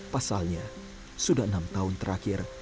pasalnya sudah enam tahun terakhir